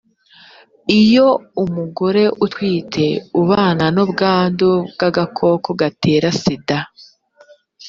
iyo umugore utwite ubana n ubwandu bw agakoko gatera sida